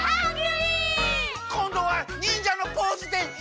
こんどはにんじゃのポーズでハングリー！